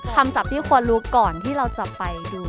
ศัพท์ที่ควรรู้ก่อนที่เราจะไปดู